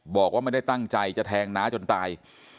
บอกว่าไม่ได้ตั้งใจจะแทงน้าจนตาย